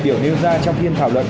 chúng ta có thể tìm